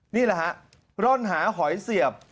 นี่แหละฮะร่อนหาหอยเสียบ